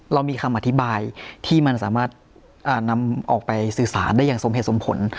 เรามีคำอธิบายที่มันสามารถนำออกไปสื่อสารได้อย่างสมเหตุสมผล